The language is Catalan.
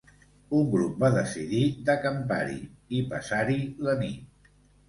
Un grup va decidir d’acampar-hi i passar-hi la nit.